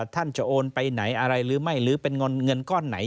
ท่านจะโอนไปไหนอะไรหรือไม่หรือเป็นเงินก้อนไหน